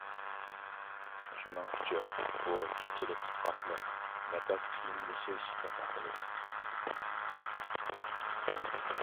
شۇنىڭ ئۈچۈن، بۇ كېچىلىك تۇتقاقلىق نەپەس قىيىنلىشىش دەپ ئاتىلىدۇ.